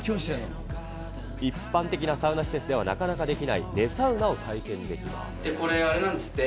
一般的なサウナ施設ではなかなかできない、これあれなんですって。